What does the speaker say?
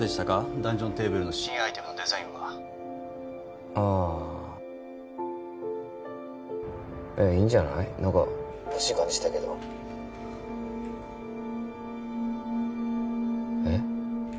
ダンジョンテーブルの新アイテムのデザインはああいいんじゃない何かほしい感じしたけどえっ？